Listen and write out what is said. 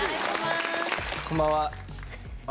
こんばんは。